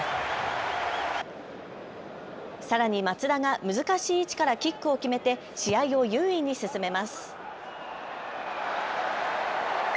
さらに松田が難しい位置からキックを決めて試合を優位に進めます。